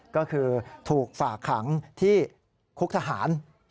ก็คือถูกฝากขังที่คุกทหาร